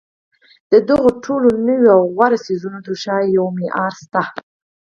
د دغو ټولو نویو او غوره څیزونو تر شا یو معیار شته